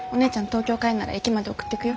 東京帰んなら駅まで送ってくよ？